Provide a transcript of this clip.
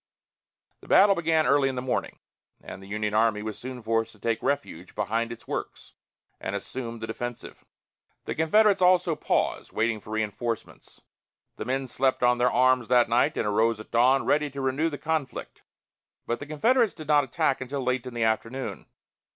The battle began early in the morning and the Union army was soon forced to take refuge behind its works and assume the defensive. The Confederates also paused, waiting for reinforcements. The men slept on their arms that night, and arose at dawn, ready to renew the conflict. But the Confederates did not attack until late in the afternoon.